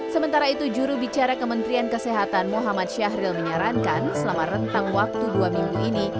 sementara itu juru bicara kementerian kesehatan muhammad syahril menyarankan selama rentang waktu dua minggu ini